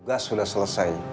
gagas sudah selesai